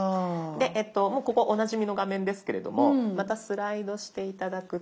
もうここおなじみの画面ですけれどもまたスライドして頂くと。